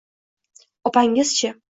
Opangiz-chi?